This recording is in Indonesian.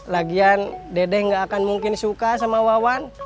lagian dede gak akan mungkin suka sama wawan